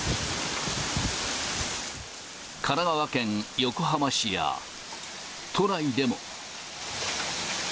神奈川県横浜市や、都内でも。